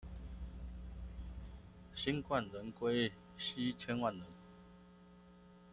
新冠人，歸西千萬人